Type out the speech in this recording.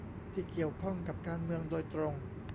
ที่เกี่ยวข้องกับการเมืองโดยตรง